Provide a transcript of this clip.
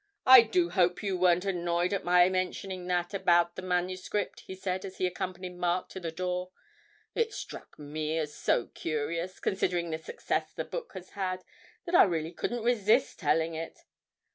'I do hope you weren't annoyed at my mentioning that about the manuscript?' he said, as he accompanied Mark to the door. 'It struck me as so curious, considering the success the book has had, that I really couldn't resist telling it.'